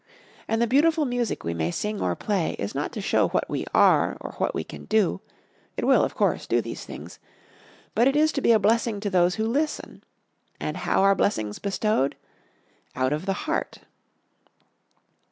And the beautiful music we may sing or play is not to show what we are or what we can do it will, of course do these things but it is to be a blessing to those who listen. And how are blessings bestowed? _Out of the heart.